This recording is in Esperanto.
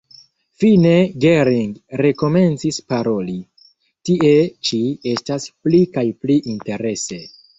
Fine Gering rekomencis paroli: « Tie ĉi estas pli kaj pli interese ».